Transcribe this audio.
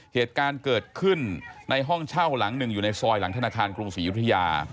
เหตุการณ์เกิดขึ้นในห้องเช่าหลังหนึ่งอยู่ในซอยหลังธนาคารกรุงศรียุธยา